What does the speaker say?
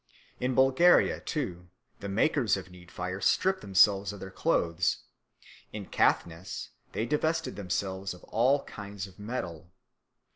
In Bulgaria, too, the makers of need fire strip themselves of their clothes; in Caithness they divested themselves of all kinds of metal.